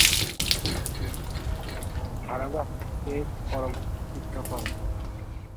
ধারাবাহিকের পরবর্তী চিত্রকর্ম।